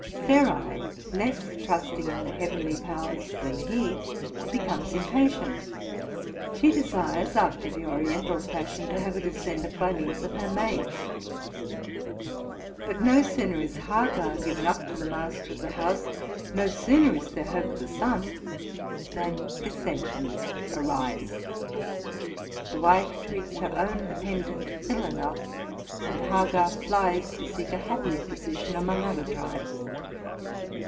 Sarai, less trusting in the heavenly powers than he, becomes impatient: she desires, after the Oriental fashion, to have a descendant, by means of her maid. But no sooner is Hagar given up to the master of the house, no sooner is there hope of a son, than dissensions arise. The wife treats her own dependant ill enough, and Hagar flies to seek a 110 TRUTH AND FICTION happier position among other tribes.